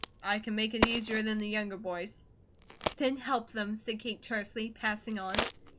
I can make it easier than the younger boys." "Then HELP them," said Kate tersely, passing on.